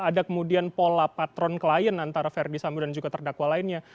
ada kemudian pola patron klien antara verdi sambo dan juga terdakwa lainnya